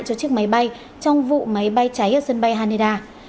cho chiếc máy bay trong vụ máy bay cháy ở sân bay haneda